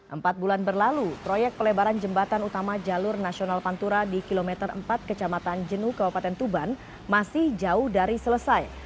empat bulan berlalu proyek pelebaran jembatan utama jalur nasional pantura di kilometer empat kecamatan jenu kabupaten tuban masih jauh dari selesai